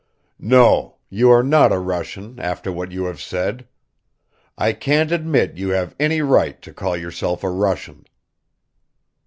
"No, you are not a Russian after what you have said. I can't admit you have any right to call yourself a Russian."